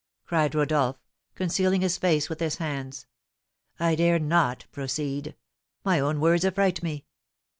cried Rodolph, concealing his face with his hands. "I dare not proceed; my own words affright me!"